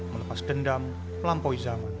melepas dendam melampaui zaman